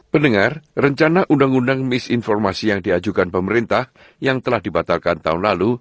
pendengar rencana undang undang misinformasi yang diajukan pemerintah yang telah dibatalkan tahun lalu